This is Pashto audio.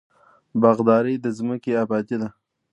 باغداري د ځمکې ابادي ده.